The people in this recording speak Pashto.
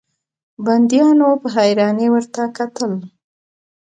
بنديانو په حيرانۍ ورته کتل.